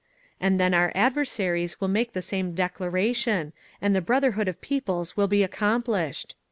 And then our adversaries will make the same declaration, and the brotherhood of peoples will be accomplished!"